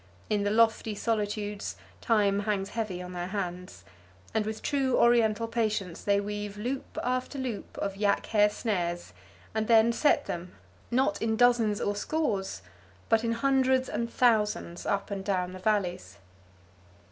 In the lofty solitudes time hangs heavy on their hands, and with true oriental patience they weave loop after loop of yak hair snares, and then set them, not in dozens or scores, but in hundreds and thousands up and down the valleys.